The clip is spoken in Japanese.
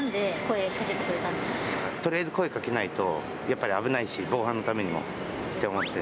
とりあえず声かけないとやっぱり危ないし防犯のためにもって思って。